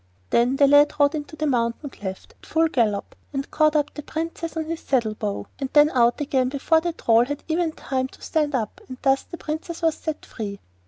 Then the lad rode into the mountain cleft at full gallop and caught up the Princess on his saddle bow, and then out again before the Troll even had time to stand up, and thus the Princess was set free.